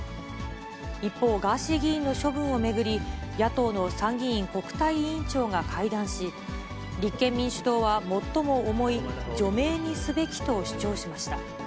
一方、ガーシー議員の処分を巡り、野党の参議院国対委員長が会談し、立憲民主党は最も重い除名にすべきと主張しました。